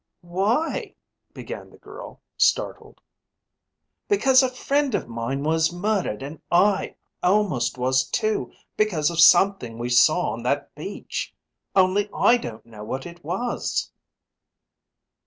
"Why...?" began the girl, startled. "Because a friend of mine was murdered and I almost was too because of something we saw on that beach. Only I don't know what it was."